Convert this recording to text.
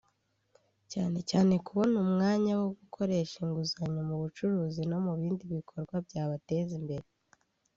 cyane cyane kubona umwanya wo gukoresha inguzanyo mu bucuruzi no mu bindi bikorwa byabateza imbere